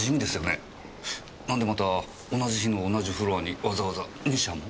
何でまた同じ日の同じフロアにわざわざ２社も？